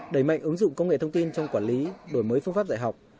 đẩy mạnh ứng dụng công nghệ thông tin trong quản lý đổi mới phương pháp dạy học